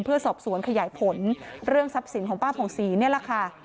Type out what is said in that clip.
เพื่อสอบสวนขยายผลเรื่องทรัพย์สินของป้าผ่องศรีนี่แหละค่ะ